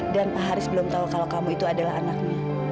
dan pak haris belum tahu kalau kamu itu adalah anaknya